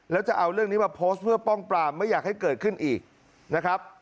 แล้วจะเอาเรื่องนี้มาโพสต์เพื่อป้องปรามไม่อยากให้เกิดขึ้นอีกนะครับ